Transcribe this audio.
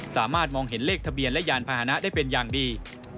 สามารถมองเห็นเลขทะเบียนและยานพาหนะได้เป็นอย่างดี